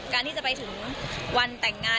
ที่จะไปถึงวันแต่งงาน